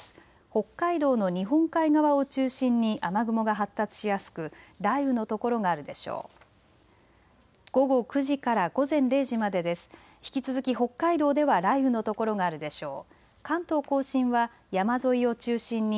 北海道の日本海側を中心に雨雲が発達しやすく雷雨の所があるでしょう。